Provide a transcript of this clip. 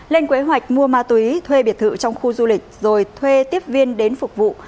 lên kế hoạch mua ma túy thuê biệt thự trong khu du lịch rồi thuê tiếp viên đến phục vụ